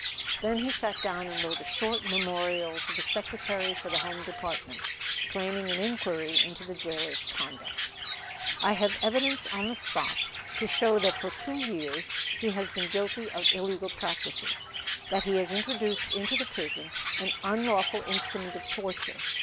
Then he sat down and wrote a short memorial to the Secretary for the Home Department, claiming an inquiry into the jailer's conduct. "I have evidence on the spot to show that for two years he has been guilty of illegal practices. That he has introduced into the prison an unlawful instrument of torture.